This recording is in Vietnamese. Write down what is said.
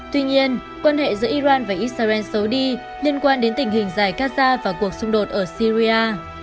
tuy nhiên quan hệ giữa iran và israel xấu đi liên quan đến tình hình dài gaza và cuộc xung đột ở syria